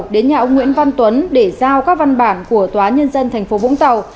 đến nhà ông nguyễn văn tuấn để giao các văn bản của tòa nhân dân tp vũng tàu